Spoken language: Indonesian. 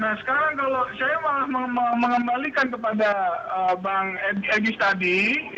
nah sekarang kalau saya malah mengembalikan kepada bang egy tadi